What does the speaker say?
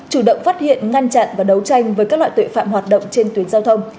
chủ động phát hiện ngăn chặn và đấu tranh với các loại tội phạm hoạt động trên tuyến giao thông